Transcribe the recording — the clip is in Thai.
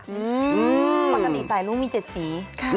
อืมปกติสายรุ้งมีเจ็ดสี